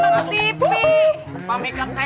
pak make up saya pak